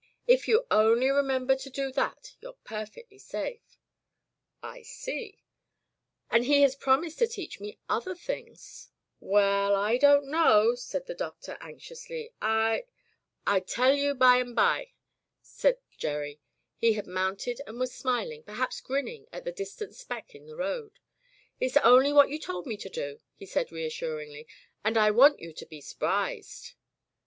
"If you only remember to do that you're perfectly safe." "I see." "And he has promised to teach me other things— —"[ 266 ] Digitized by LjOOQ IC r' The Convalescence of Gerald "Well, I don't know/' said the Doctor anxiously. "I *' "FU tell you bimeby/' said Gerry. He had mounted and was smiling — perhaps grinning — at the distant speck in the road. "It's only what you told me to do," he said reassuringly, "and I want you to be s'prized."